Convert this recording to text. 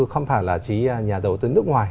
không phải là chỉ nhà đầu tư nước ngoài